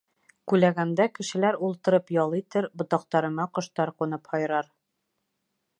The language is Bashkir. Күләгәмдә кешеләр ултырып ял итер, ботаҡтарыма ҡоштар ҡунып һай рар.